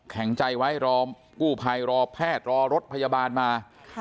แข็งใจไว้รอกู้ภัยรอแพทย์รอรถพยาบาลมา